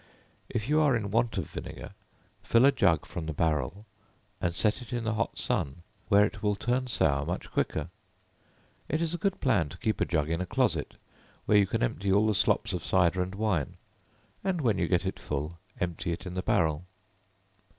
If you are in want of vinegar, fill a jug from the barrel, and set it in the hot sun, where it will turn sour much quicker. It is a good plan to keep a jug in a closet, where you can empty all the slops of cider and wine; and when you get it full, empty it in the barrel.